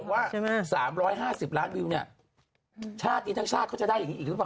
เขาบอกว่าสามร้อยห้าสิบล้านวิวเนี้ยชาติทั้งชาติเขาจะได้อย่างงี้อีกหรือเปล่า